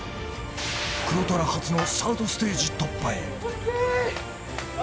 黒虎初のサードステージ突破へ。